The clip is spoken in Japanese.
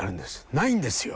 ないんですよ。